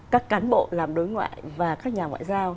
các cán bộ làm đối ngoại và các nhà ngoại giao